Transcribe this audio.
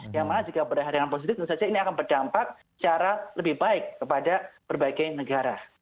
yang mana jika berakhir dengan positif ini akan berdampak secara lebih baik kepada berbagai negara